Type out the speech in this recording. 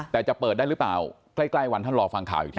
แต่จะเปิดได้หรือเปล่าใกล้วันท่านรอฟังข่าวอีกที